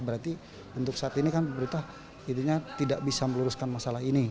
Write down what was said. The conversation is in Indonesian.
berarti untuk saat ini kan pemerintah jadinya tidak bisa meluruskan masalah ini